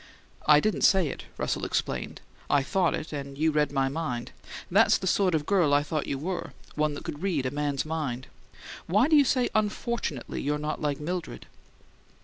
"I didn't say it," Russell explained. "I thought it, and you read my mind. That's the sort of girl I thought you were one that could read a man's mind. Why do you say 'unfortunately' you're not like Mildred?"